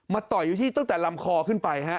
ต่อยอยู่ที่ตั้งแต่ลำคอขึ้นไปฮะ